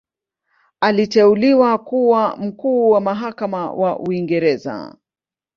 Aliteuliwa kuwa Mkuu wa Mahakama wa Uingereza.